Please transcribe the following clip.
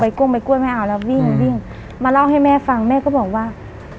กล้วยใบกล้วยไม่เอาแล้ววิ่งวิ่งมาเล่าให้แม่ฟังแม่ก็บอกว่า